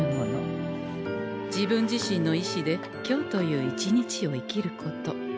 自分自身の意志で今日という一日を生きること。